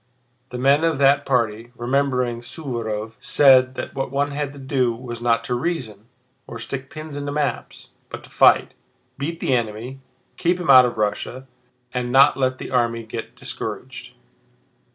The men of that party, remembering Suvórov, said that what one had to do was not to reason, or stick pins into maps, but to fight, beat the enemy, keep him out of Russia, and not let the army get discouraged.